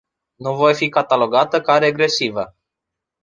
Nu voi fi catalogată ca regresivă.